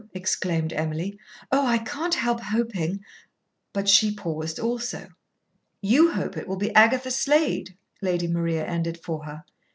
exclaimed Emily. "Oh, I can't help hoping " But she paused also. "You hope it will be Agatha Slade," Lady Maria ended for her.